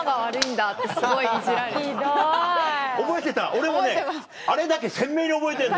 俺もねあれだけ鮮明に覚えてんのよ。